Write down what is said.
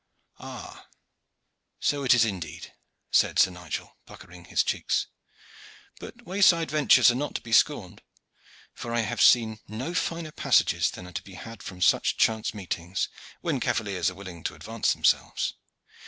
"Ah, so it is, indeed," said Sir Nigel, puckering his cheeks; "but wayside ventures are not to be scorned, for I have seen no finer passages than are to be had from such chance meetings, when cavaliers are willing to advance themselves.